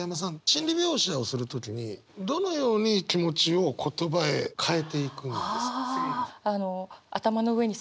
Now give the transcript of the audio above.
心理描写をする時にどのように気持ちを言葉へ換えていくんですか？